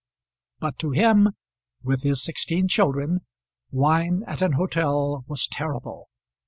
But to him, with his sixteen children, wine at an hotel was terrible.